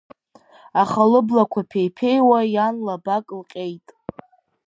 Аха лыблақәа ԥеиԥеиуа иан лабак лҟьеит.